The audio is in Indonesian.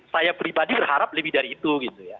saya pribadi berharap lebih dari itu gitu ya